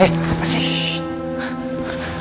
eh apa sih